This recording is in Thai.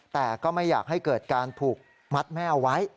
แต่ก็ไม่อยากให้เกิดการผูกมัดแม่เอาไว้